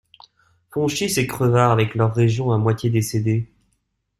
Font chier ces crevards avec leurs régions à moitié décédées.